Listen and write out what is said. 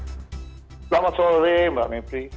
selamat sore mbak mimpri